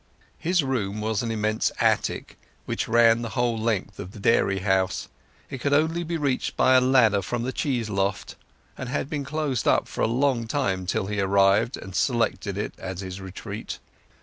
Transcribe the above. His room was an immense attic which ran the whole length of the dairy house. It could only be reached by a ladder from the cheese loft, and had been closed up for a long time till he arrived and selected it as his retreat.